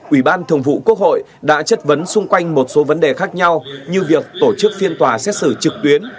ủy ban thường vụ quốc hội đã chất vấn xung quanh một số vấn đề khác nhau như việc tổ chức phiên tòa xét xử trực tuyến